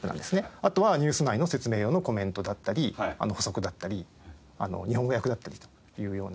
あとはニュース内の説明用のコメントだったり補足だったり日本語訳だったりというような。